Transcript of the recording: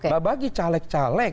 nah bagi caleg caleg